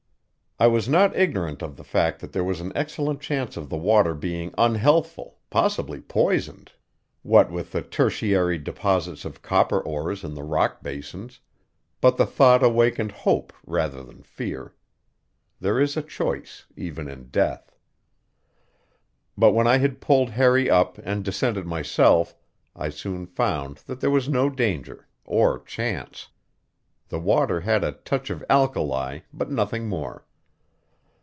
I was not ignorant of the fact that there was an excellent chance of the water being unhealthful, possibly poisoned, what with the tertiary deposits of copper ores in the rock basins; but the thought awakened hope rather than fear. There is a choice even in death. But when I had pulled Harry up and descended myself I soon found that there was no danger or chance. The water had a touch of alkali, but nothing more.